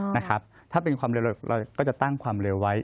นะครับถ้าเป็นความเร็วเราก็จะตั้งความเร็วไว้